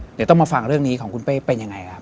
เดี๋ยวต้องมาฟังเรื่องนี้ของคุณเป้เป็นยังไงครับ